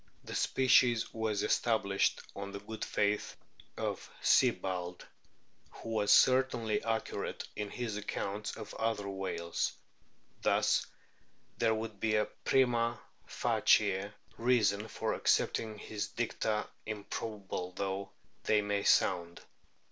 The species was established on the good faith of Sibbald, who was certainly accurate in his accounts of other whales ; thus there would be & prinid facie reason for accepting his dicta, improbable though they may sound.